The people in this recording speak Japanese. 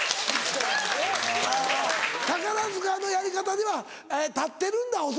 宝塚のやり方では立ってるんだ恐らく。